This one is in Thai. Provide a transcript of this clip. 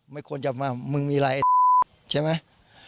ไม่ควรจะมามึงมีอะไรใช่ไหม